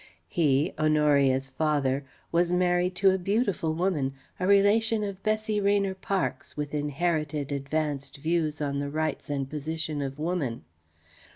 He Honoria's father was married to a beautiful woman, a relation of Bessie Rayner Parkes, with inherited advanced views on the Rights and Position of Woman.